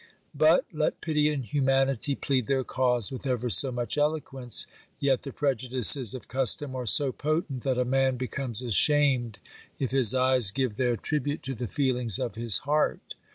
But, let pity and humanity plead their cause with ever so much eloquence, yet the prejudices of custom are so potent that a man becomes ashamed if his eyes give their tribute to the feelings of his heart.